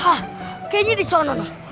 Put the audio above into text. hah kayaknya di sana nih